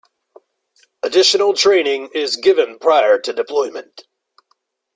Additional training is given prior to deployment.